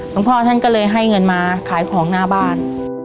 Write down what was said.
พ่อท่านก็เลยให้เงินมาขายของหน้าบ้าน